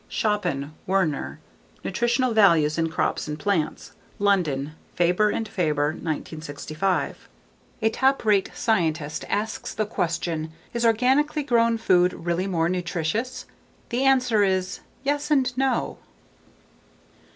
_ Schuphan, Werner. _Nutritional Values in Crops and Plants. _London: Faber and Faber, 1965. A top rate scientist asks the question: "Is organically grown food really more nutritious?" The answer is: "yes, and no."